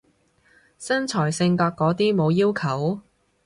身材性格嗰啲冇要求？